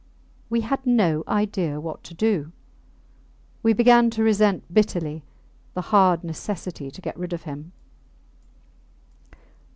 We had no idea what to do; we began to resent bitterly the hard necessity to get rid of him.